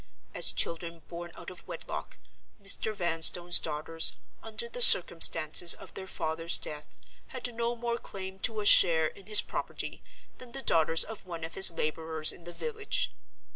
As children born out of wedlock, Mr. Vanstone's daughters, under the circumstances of their father's death, had no more claim to a share in his property than the daughters of one of his laborers in the village.